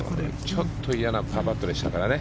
ちょっと嫌なパーパットでしたからね。